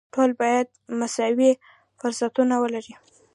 ټول باید مساوي فرصتونه ولري.